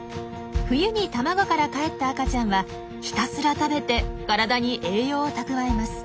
冬に卵からかえった赤ちゃんはひたすら食べて体に栄養を蓄えます。